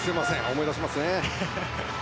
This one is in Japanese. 思い出しますね。